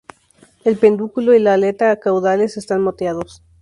El pedúnculo y la aleta caudales están moteados.